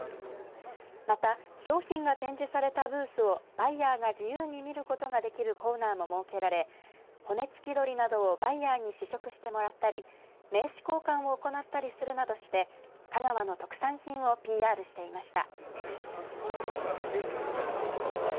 また、商品が展示されたブースをバイヤーが自由に見ることができるコーナーも設けられ骨付き鶏などをバイヤーに試食してもらったり名刺交換を行ったりするなどして香川の特産品をＰＲしていました。